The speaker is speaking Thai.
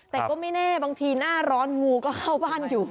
แต่ก็ไม่แน่บางทีหน้าร้อนงูก็เข้าบ้านอยู่